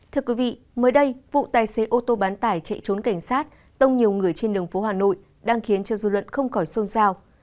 thưa quý vị mới đây vụ tài xế ô tô bán tải chạy trốn cảnh sát tông nhiều người trên đường phố hà nội đang khiến cho dư luận không khỏi xôn xao